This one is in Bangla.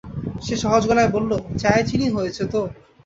সে সহজ গলায় বলল, চায়ে চিনি হয়েছে তো?